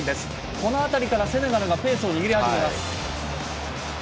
この辺りからセネガルがペースを握り始めます。